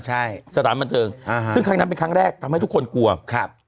ใช่สถานบันเทิงอ่าฮะซึ่งครั้งนั้นเป็นครั้งแรกทำให้ทุกคนกลัวครับ